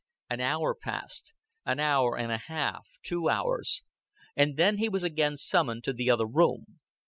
An hour passed, an hour and a half, two hours; and then he was again summoned to the other room.